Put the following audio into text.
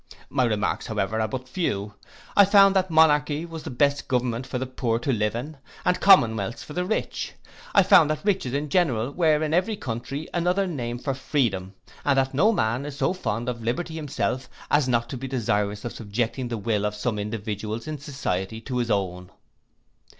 My remarks, however, are but few: I found that monarchy was the best government for the poor to live in, and commonwealths for the rich. I found that riches in general were in every country another name for freedom; and that no man is so fond of liberty himself as not to be desirous of subjecting the will of some individuals in society to his own.